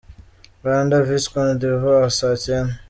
Rwanda vs Cote d’Ivoire: saa cyenda .